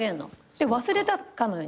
で忘れたかのように。